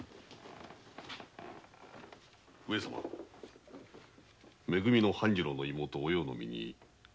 上様め組の半次郎の妹お葉の身に何か？